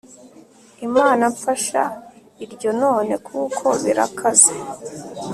imana mfasha irya none kuko birakaze